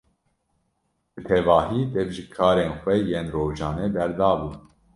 Bi tevahî dev ji karên xwe yên rojane berdabû.